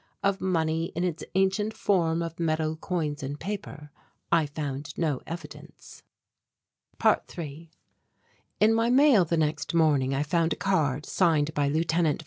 Of money in its ancient form of metal coins and paper, I found no evidence. ~3~ In my mail the next morning I found a card signed by Lieut.